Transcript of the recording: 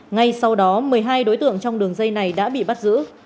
ngay sau đó một mươi hai đối tượng trong đường dây này đã bị bắt giữ